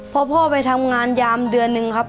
พอพ่อไปทำงานยามเดือนหนึ่งครับ